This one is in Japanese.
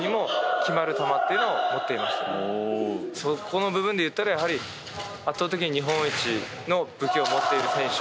この部分でいったらやはり圧倒的に日本一の武器を持っている選手。